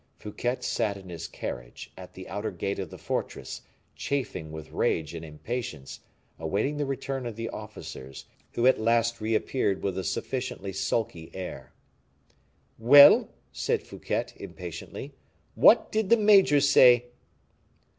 Fouquet sat in his carriage, at the outer gate of the fortress, chafing with rage and impatience, awaiting the return of the officers, who at last re appeared with a sufficiently sulky air. "Well," said Fouquet, impatiently, "what did the major say?"